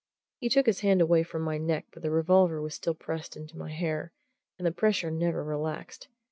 He took his hand away from my neck, but the revolver was still pressed into my hair, and the pressure never relaxed.